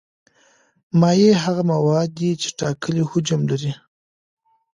مایع هغه مواد دي چې ټاکلی حجم لري.